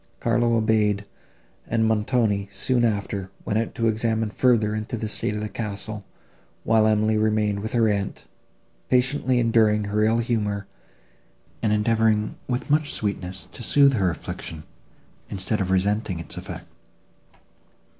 Carlo obeyed, and Montoni, soon after, went out to examine further into the state of the castle; while Emily remained with her aunt, patiently enduring her ill humour, and endeavouring, with much sweetness, to soothe her affliction, instead of resenting its effect.